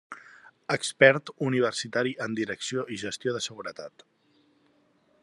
Expert universitari en Direcció i gestió de Seguretat.